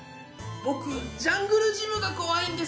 僕ジャングルジムが怖いんです。